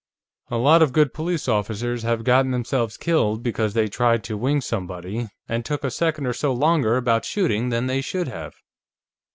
A lot of good police officers have gotten themselves killed because they tried to wing somebody and took a second or so longer about shooting than they should have."